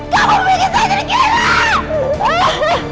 kamu yang bikin saya jadi gila